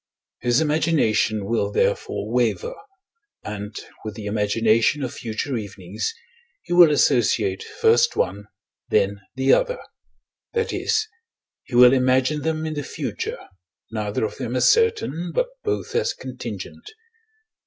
His imagination will therefore waver; and, with the imagination of future evenings, he will associate first one, then the other that is, he will imagine them in the future, neither of them as certain, but both as contingent.